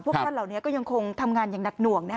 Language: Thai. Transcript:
พวกท่านเหล่านี้ก็ยังคงทำงานอย่างหนักหน่วง